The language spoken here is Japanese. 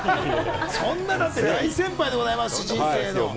そんな、だって大先輩でございますし、人生の。